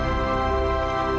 aku harus ke belakang